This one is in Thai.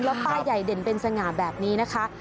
แล้วป้ายใหญ่เด่นเป็นสง่าแบบนี้นะคะ